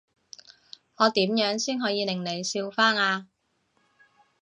我點樣先可以令你笑返呀？